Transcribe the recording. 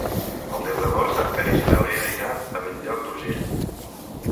El deu d'agost en Peris i na Lea iran a Bell-lloc d'Urgell.